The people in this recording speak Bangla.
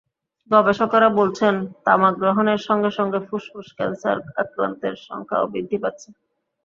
গবেষকেরা বলছেন, তামাক গ্রহণের সঙ্গে সঙ্গে ফুসফুস ক্যানসার আক্রান্তের সংখ্যাও বৃদ্ধি পাচ্ছে।